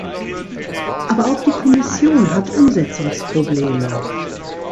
Aber auch die Kommission hat Umsetzungsprobleme.